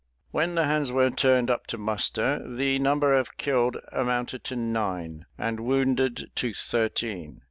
When the hands were turned up to muster, the number of killed amounted to nine, and wounded to thirteen.